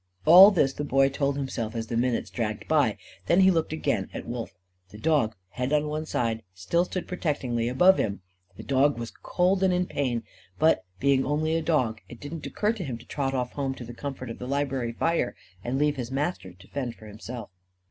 All this the Boy told himself, as the minutes dragged by. Then he looked again at Wolf. The dog, head on one side, still stood protectingly above him. The dog was cold and in pain. But, being only a dog, it did not occur to him to trot off home to the comfort of the library fire and leave his master to fend for himself.